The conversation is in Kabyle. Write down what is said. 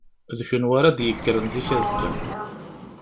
D kunwi ara d-yekkren zik azekka.